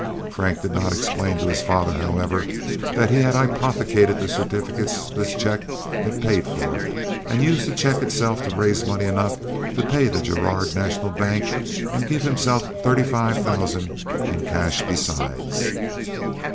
Frank did not explain to his father, however, that he had hypothecated the certificates this check had paid for, and used the check itself to raise money enough to pay the Girard National Bank and to give himself thirty five thousand in cash besides.